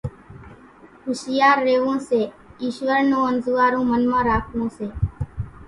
ھوشيار ريوون سي ايشور نون انزوئارون منَ مان راکوون سي